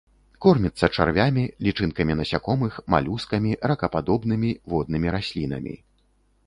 Корміцца чарвямі, лічынкамі насякомых, малюскамі, ракападобнымі, воднымі раслінамі.